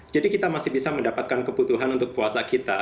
jadi kita masih bisa mendapatkan kebutuhan untuk puasa kita